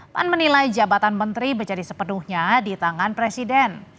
pan menilai jabatan menteri menjadi sepenuhnya di tangan presiden